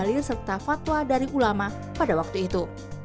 alir serta fatwa dari ulama pada waktu itu